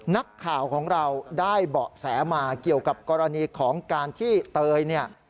นักข่าวของเราได้เบาะแสมาเกี่ยวกับกรณีของการที่เตยเนี่ย